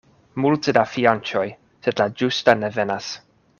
Multe da fianĉoj, sed la ĝusta ne venas.